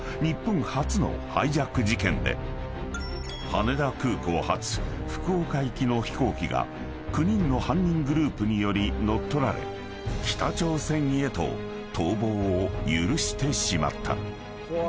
［羽田空港発福岡行きの飛行機が９人の犯人グループにより乗っ取られ北朝鮮へと逃亡を許してしまった］